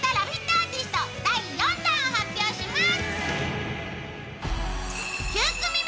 アーティスト第４弾を発表します。